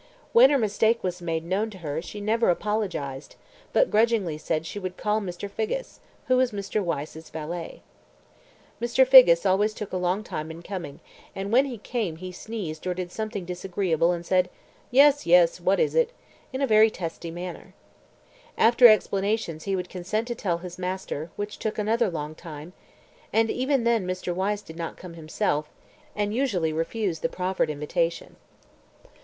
When her mistake was made known to her, she never apologized, but grudgingly said she would call Mr. Figgis, who was Mr. Wyse's valet. Mr. Figgis always took a long time in coming, and when he came he sneezed or did something disagreeable and said: "Yes, yes; what is it?" in a very testy manner. After explanations he would consent to tell his master, which took another long time, and even then Mr. Wyse did not come himself, and usually refused the proffered invitation.